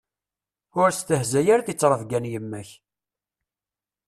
Ur stehzay ara di ttrebga n yemma-k.